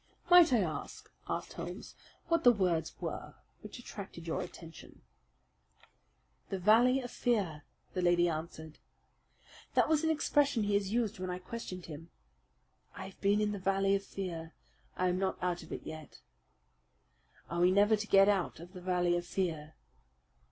"Might I ask," asked Holmes, "what the words were which attracted your attention?" "The Valley of Fear," the lady answered. "That was an expression he has used when I questioned him. 'I have been in the Valley of Fear. I am not out of it yet.' 'Are we never to get out of the Valley of Fear?'